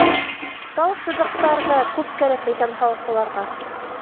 Тал сыбыҡтар ҙа күп кәрәк икән һалсыларға.